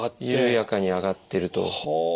緩やかに上がってると。